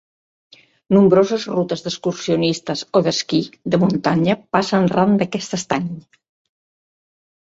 Nombroses rutes excursionistes o d'esquí de muntanya passen ran d'aquest estany.